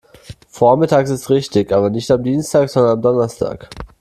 Vormittags ist richtig, aber nicht am Dienstag, sondern am Donnerstag.